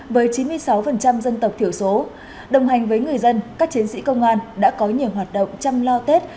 với chín mươi sáu dân tộc thiểu số đồng hành với người dân các chiến sĩ công an đã có nhiều hoạt động chăm lo tết